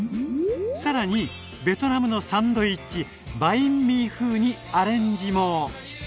さらにベトナムのサンドイッチバインミー風にアレンジも！